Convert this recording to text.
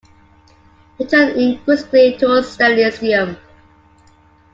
He turned increasingly towards Stalinism.